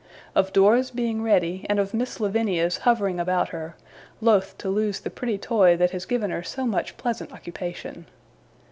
Of Dora's being ready, and of Miss Lavinia's hovering about her, loth to lose the pretty toy that has given her so much pleasant occupation.